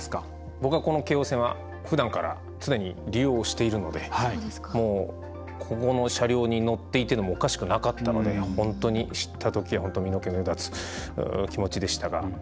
僕は京王線はふだんから常に利用しているのでもう、ここの車両に乗っていてもおかしくなかったので本当に知ったときは身の毛もよだつ気持ちでしたが。